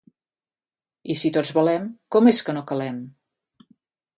I si tots valem, ¿com és que no calem?